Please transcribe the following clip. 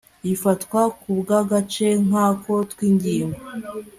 rifatwa ku bw agace n ako tw ingingo